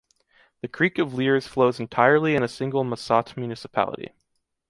The creek of Liers flows entirely in a single Massat municipality.